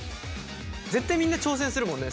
絶対みんな挑戦するもんね